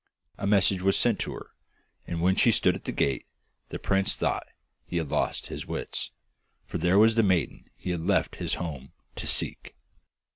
A message was sent to her, and when she stood at the gate the prince thought he had lost his wits, for there was the maiden he had left his home to seek.